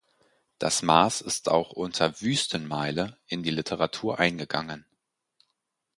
Das Maß ist auch unter "Wüstenmeile" in die Literatur eingegangen.